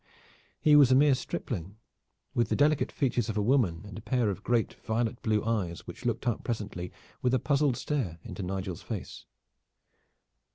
He was a mere stripling, with the delicate features of a woman, and a pair of great violet blue eyes which looked up presently with a puzzled stare into Nigel's face.